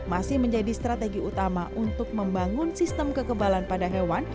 masih menjadi strategi utama untuk membangun sistem kekebalan pada hewan